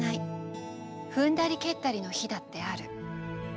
踏んだり蹴ったりの日だってある。